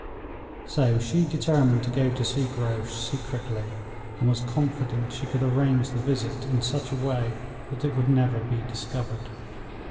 So she determined to go to see Grouche secretly, and was confident she could arrange the visit in such a way that it would never be discovered.